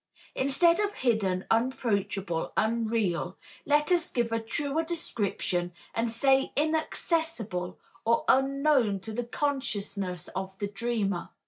Instead of hidden, unapproachable, unreal, let us give a truer description and say inaccessible or unknown to the consciousness of the dreamer.